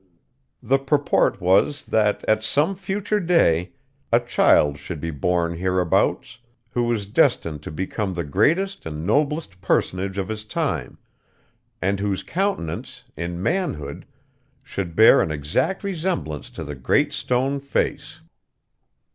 The purport was, that, at some future day, a child should be born hereabouts, who was destined to become the greatest and noblest personage of his time, and whose countenance, in manhood, should bear an exact resemblance to the Great Stone Face.